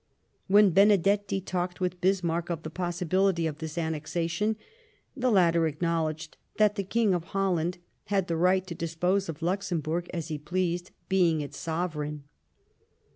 When Benedetti talked with Bismarck of the possibility of this annexation, the latter acknowledged that the King of Holland had the right to dispose of Luxemburg as he pleased, being its sovereign.